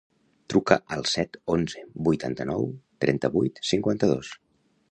Truca al set, onze, vuitanta-nou, trenta-vuit, cinquanta-dos.